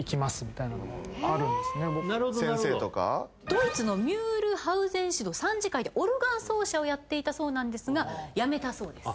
ドイツのミュールハウゼン市の参事会でオルガン奏者をやっていたそうなんですが辞めたそうです。